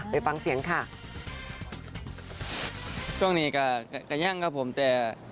ไปฟังเสียงค่ะ